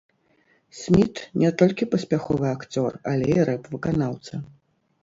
Сміт не толькі паспяховы акцёр, але і рэп-выканаўца.